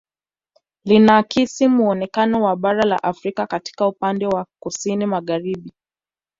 Linaakisi muonekano wa bara la Afrika katika upande wa kusini magharibi